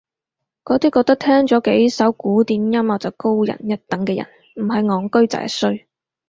嗰啲覺得聽咗幾首古典音樂就高人一等嘅人唔係戇居就係衰